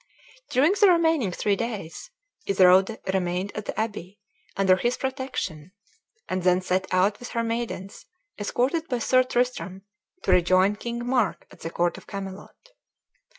During the remaining three days, Isoude remained at the abbey, under his protection, and then set out with her maidens, escorted by Sir Tristram, to rejoin King Mark at the court of Camelot.